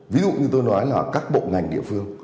ví dụ như tôi nói là các bộ ngành địa phương